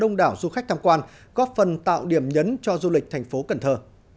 giáo dục du khách tham quan góp phần tạo điểm nhấn cho du lịch thành phố cần thơ